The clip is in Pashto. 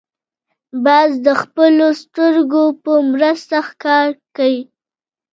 باز د خپلو سترګو په مرسته ښکار کوي